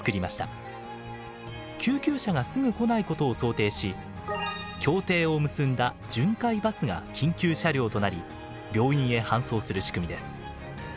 救急車がすぐ来ないことを想定し協定を結んだ巡回バスが緊急車両となり病院へ搬送する仕組みです。